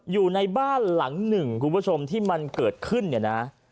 อยู่ในบ้านหลังหนึ่งคุณผู้ชมที่มันเกิดขึ้นเนี่ยนะ